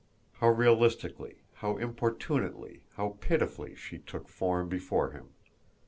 How realistically, how importunately, how pitifully she took form before him!